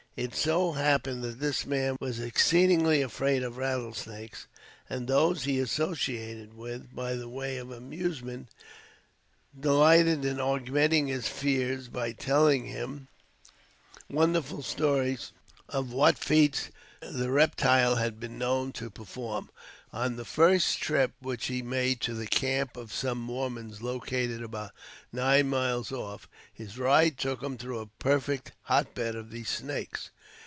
It so happened that this man was exceedingly afraid of rattlesnakes, and those he was associated with, by way of amusement, delighted in augmenting his fears by telling him wonderful stories of what feats the reptile had been known to perform. On the first trip which he made to the camp of some Mormons located about nine miles off, his ride took him through a perfect hot bed of these snakes.